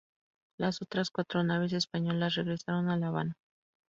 Las otras cuatro naves españolas regresaron a La Habana.